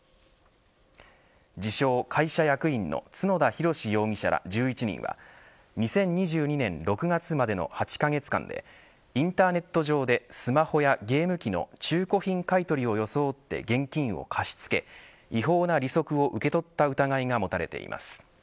自称会社役員の角田弘容疑者ら１１人は２０２０年６月までの８カ月間でインターネット上でスマホやゲーム機の中古品買い取りを装って現金を貸し付け違法な利息を受け取った疑いが持たれています。